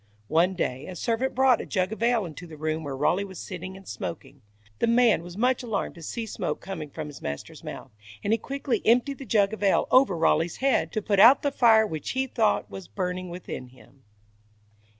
One day, a servant brought a jug of ale into the room where Raleigh was sitting and smoking. The man was much alarmed to see smoke coming from his master's mouth, and he quickly emptied the jug of ale over Raleigh's head, to put out the fire which he thought was burning within him.